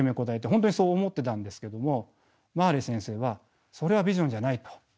本当にそう思ってたんですけどもマーレー先生はそれはビジョンじゃないと。